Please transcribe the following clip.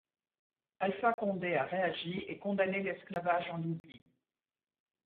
Alpha Condé a réagi et condamné l'esclavage en Libye.